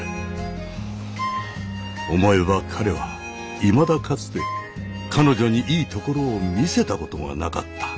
思えば彼はいまだかつて彼女にいいところを見せたことがなかった。